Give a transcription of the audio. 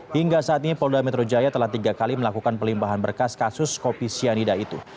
hingga saat ini polda metro jaya telah tiga kali melakukan pelimpahan berkas kasus kopi sianida itu